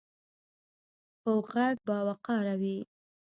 پوخ غږ باوقاره وي